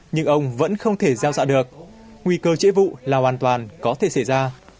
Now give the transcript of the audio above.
nhưng ông vẫn không thể gieo dạ được nguy cơ chế vụ là hoàn toàn có thể xảy ra